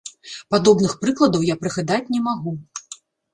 Падобных прыкладаў я прыгадаць не магу.